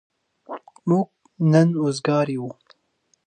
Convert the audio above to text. موږ نن وزگار يو.